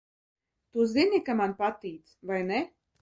Tu zini, ka man patīc, vai ne?